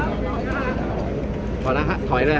สวัสดีครับทุกคน